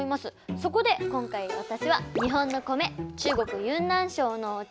そこで今回私は日本の米中国・ユンナン省のお茶